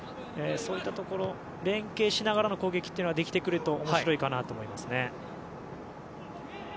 そういったところ連係しながらの攻撃ができてくると面白いと思います。